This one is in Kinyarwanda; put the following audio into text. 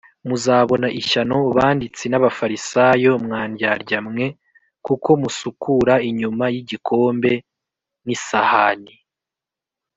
Muzabona ishyano banditsi n Abafarisayo mwa ndyarya mwe kuko musukura inyuma y igikombe l n isahani